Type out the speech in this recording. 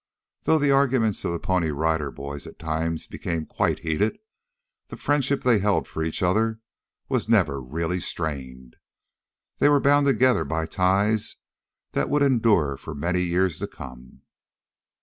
Though the arguments of the Pony Riders at times became quite heated, the friendship they held for each other was never really strained. They were bound together by ties that would endure for many years to come.